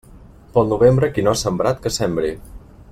Pel novembre, qui no ha sembrat, que sembri.